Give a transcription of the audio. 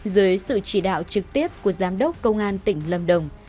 dưới sự chỉ đạo trực tiếp của giám đốc công an tỉnh lâm đồng